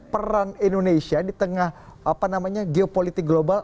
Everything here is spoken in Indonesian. peran indonesia di tengah geopolitik global